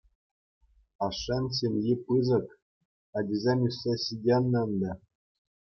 Ашшӗн ҫемйи пысӑк, ачисем ӳссе ҫитӗннӗ ӗнтӗ.